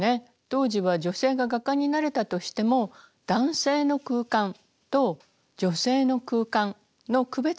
当時は女性が画家になれたとしても男性の空間と女性の空間の区別がありました。